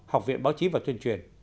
học viện báo chí và chuyên truyền